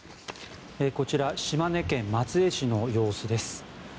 こちら島根県松江市の様子です。